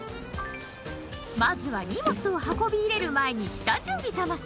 まずは荷物を運び入れる前に下準備ザマス。